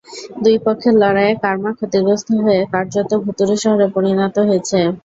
দুই পক্ষের লড়াইয়ে কারমা ক্ষতিগ্রস্ত হয়ে কার্যত ভুতুড়ে শহরে পরিণত হয়েছে।